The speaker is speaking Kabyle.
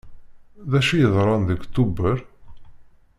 D acu yeḍran deg Tubeṛ?